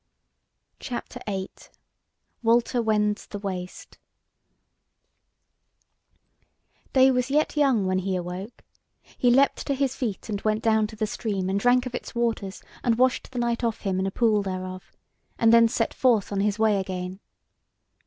CHAPTER VIII: WALTER WENDS THE WASTE Day was yet young when he awoke: he leapt to his feet, and went down to the stream and drank of its waters, and washed the night off him in a pool thereof, and then set forth on his way again.